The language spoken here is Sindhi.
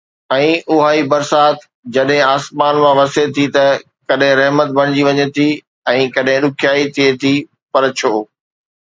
۽ اها ئي برسات جڏهن آسمان مان وسي ٿي ته ڪڏهن رحمت بڻجي وڃي ٿي ۽ ڪڏهن ڏکيائي ٿئي ٿي، پر ڇو؟